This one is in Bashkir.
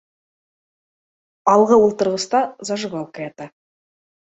Алғы ултырғыста зажигалка ята